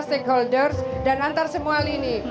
stakeholders dan antar semua lini